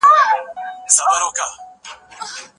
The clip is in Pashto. نور ډېر شیان باید وموندل شي.